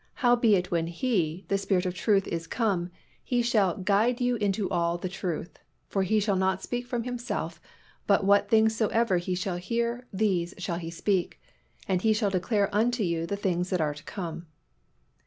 Howbeit when He, the Spirit of truth is come, He shall guide you into all the truth: for He shall not speak from Himself; but what things soever He shall hear, these shall He speak: and He shall declare unto you the things that are to come."